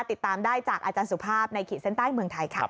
ติดตามได้จากอาจารย์สุภาพในขีดเส้นใต้เมืองไทยค่ะ